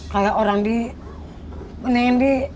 kayak orang nih